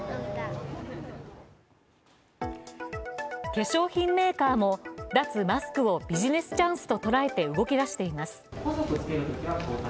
化粧品メーカーも脱マスクをビジネスチャンスと捉えて動き出しています。